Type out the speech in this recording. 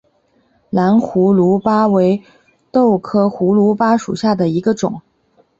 蓝胡卢巴为豆科胡卢巴属下的一个种。